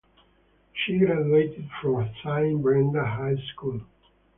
She graduated from Saint Brendan High School.